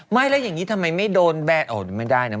ไม่แล้วอย่างนี้ทำไมไม่โดนแบนออกไม่ได้นะ